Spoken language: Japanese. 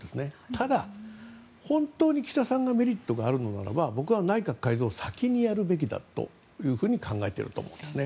ただ、本当に岸田さんにメリットがある場合は僕は内閣改造を先にやるべきだと考えていると思います。